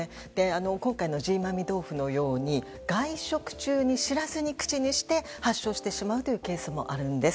今回のジーマーミ豆腐のように外食中に知らずに口にして発症してしまうというケースもあるんです。